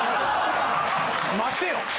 待ってよ！